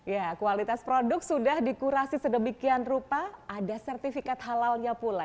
ya kualitas produk sudah dikurasi sedemikian rupa ada sertifikat halalnya pula